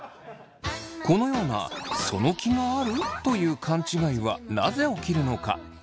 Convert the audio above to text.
このような「その気がある？」という勘違いはなぜ起きるのか？